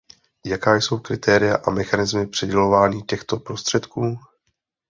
Jaká jsou kritéria a mechanismy přidělování těchto prostředků?